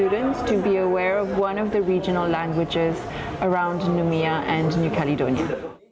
untuk memahami salah satu bahasa regional di kaledonia baru dan numia